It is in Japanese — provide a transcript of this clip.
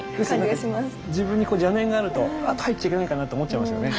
自分に邪念があるとあっ入っちゃいけないかなと思っちゃいますよね。